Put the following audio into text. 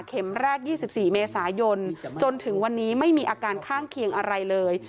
แรก๒๔เมษายนจนถึงวันนี้ไม่มีอาการข้างเคียงอะไรเลย